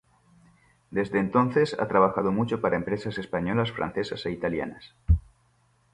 Desde entonces, ha trabajado mucho para empresas españolas, francesas e italianas.